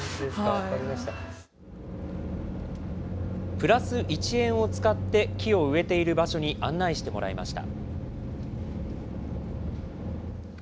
プラス１円を使って木を植えている場所に案内してもらいました。